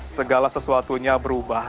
segala sesuatunya berubah